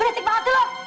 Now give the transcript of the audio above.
beresik banget sih lu